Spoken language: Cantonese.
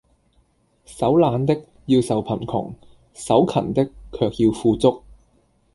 手懶的，要受貧窮；手勤的，卻要富足。